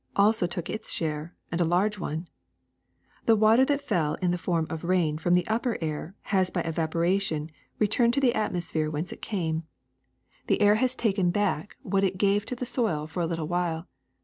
— also took its share, and a large one. The water that fell in the form of rain from the upper air has by evaporation returned to the atmosphere whence it came ; the air 335 336 THE SECRET OF EVERYDAY THINGS has taken back what it gave to the soil for a little while.